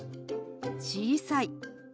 「小さい」。